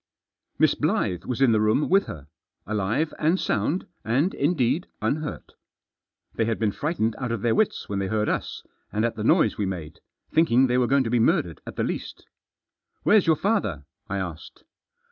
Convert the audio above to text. Miss Blyth was in the room with her. Alive and sound, and, indeed, unhurt. They had been frightened out of their wits when they heard us, and at the noise wemade^ thinking they were going to be murdered, at the least " Where's your father ?" I asked.